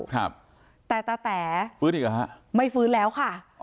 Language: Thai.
ครับแต่ตาแต๋ฟื้นอีกเหรอฮะไม่ฟื้นแล้วค่ะอ๋อ